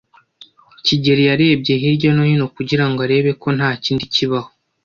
kigeli yarebye hirya no hino kugirango arebe ko ntakindi kibaho.